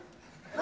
何？